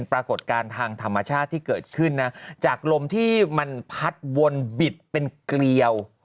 ปรากฏการณ์ทางธรรมชาติที่เกิดขึ้นนะจากลมที่มันพัดวนบิดเป็นเกลียว